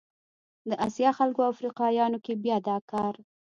د اسیا خلکو او افریقایانو کې بیا دا کار